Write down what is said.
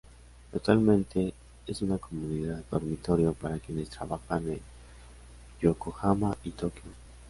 Actualmente es una comunidad dormitorio para quienes trabajan en Yokohama y Tokio.